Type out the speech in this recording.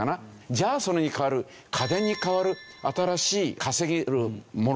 じゃあそれに代わる家電に代わる新しい稼げるものがあるのか？というと。